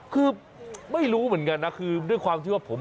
คือไม่รู้เหมือนกันนะคือด้วยความที่ว่าผม